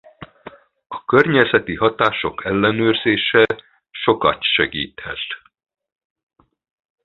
A környezeti hatások ellenőrzése sokat segíthet.